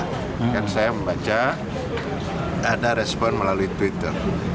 kemudian saya membaca ada respon melalui twitter